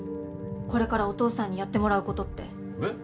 これからお父さんにやってもらうことってえっ？